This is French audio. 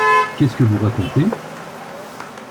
Qu’est-ce que vous racontez?